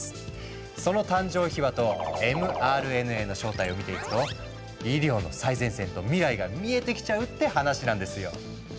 その誕生秘話とｍＲＮＡの正体を見ていくと医療の最前線と未来が見えてきちゃうって話なんですよ。